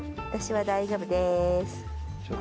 私は大丈夫です。